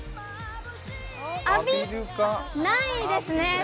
浴びないですね。